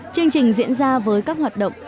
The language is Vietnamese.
chương trình diễn ra với các hoạt động